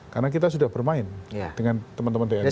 karena kita sudah bermain dengan teman teman tni